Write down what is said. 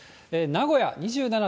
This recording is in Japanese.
名古屋２７．４度。